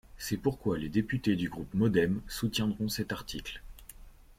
C’est pourquoi les députés du groupe MODEM soutiendront cet article.